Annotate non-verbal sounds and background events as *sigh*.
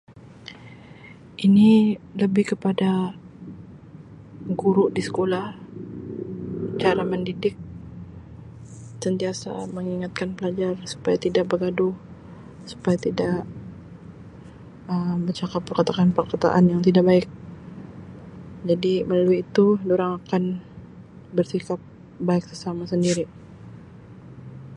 Ini lebih kepada guru di sekolah *noise* cara mendidik sentiasa mengingatkan pelajar supaya tidak begaduh supaya tidak Um becakap perkataan-perkataan yang tidak baik jadi melalui itu dorang akan bersikap baik sesama sendiri.